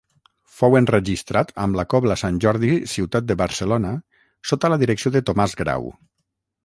Fou enregistrat amb la Cobla Sant Jordi-Ciutat de Barcelona sota la direcció de Tomàs Grau.